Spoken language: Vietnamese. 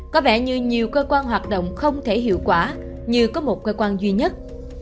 có vẻ như nhiều cơ quan hoạt động không thể hiệu quả như có một cơ quan duy nhất